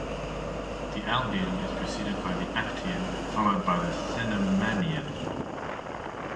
The Albian is preceded by the Aptian and followed by the Cenomanian.